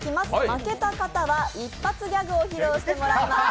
負けた方は一発ギャグを披露していただきます。